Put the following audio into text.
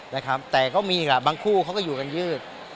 นะครับแต่ก็มีอีกล่ะบางคู่เขาก็อยู่กันยืด